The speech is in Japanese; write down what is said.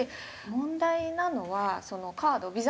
問題なのはそのカード。